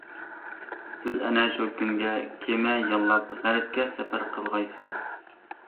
سىز ئەنە شۇ كۈنگە كېمە ياللاپ غەربكە سەپەر قىلغايسىز.